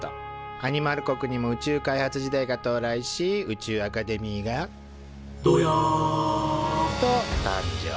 アニマル国にも宇宙開発時代が到来し宇宙アカデミーが「ドヤァ！」と誕生。